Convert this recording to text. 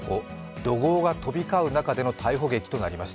怒号が飛び交う中での逮捕劇となりました。